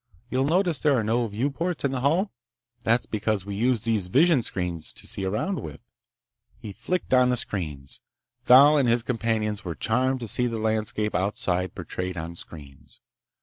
You notice there are no viewports in the hull? That's because we use these visionscreens to see around with." He flicked on the screens. Thal and his companions were charmed to see the landscape outside portrayed on screens.